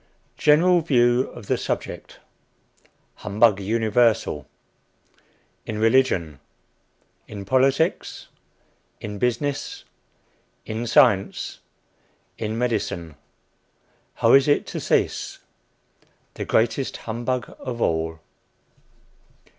GENERAL VIEW OF THE SUBJECT. HUMBUG UNIVERSAL. IN RELIGION. IN POLITICS. IN BUSINESS. IN SCIENCE. IN MEDICINE. HOW IS IT TO CEASE. THE GREATEST HUMBUG OF ALL.